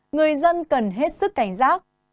người dân cần hết sức cảnh giác